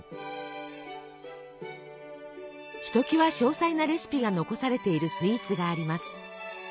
ひときわ詳細なレシピが残されているスイーツがあります。